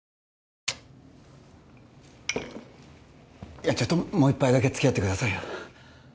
いやちょっともう一杯だけ付き合ってくださいよ